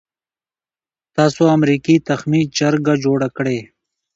تاسو امریکې تخمي چرګه جوړه کړې.